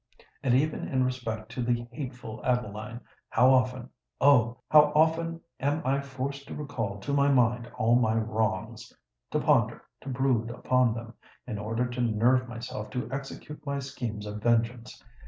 And even in respect to the hateful Adeline, how often—oh! how often am I forced to recall to mind all my wrongs—to ponder, to brood upon them—in order to nerve myself to execute my schemes of vengeance!